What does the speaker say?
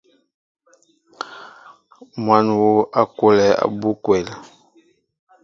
Măn yu a kolɛɛ abú kwɛl.